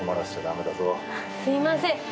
すいません。